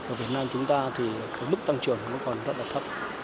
ở việt nam chúng ta thì cái mức tăng trưởng nó còn rất là thấp